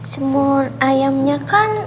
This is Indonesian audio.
semur ayamnya kan